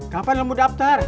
kapan lo mau daftar